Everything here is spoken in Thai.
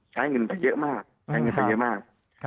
ใช้เงินไปเยอะมาก